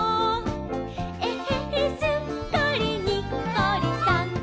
「えへへすっかりにっこりさん！」